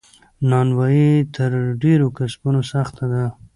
نانوایې تر ډیرو کسبونو سخته ده.